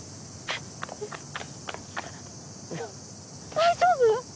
大丈夫？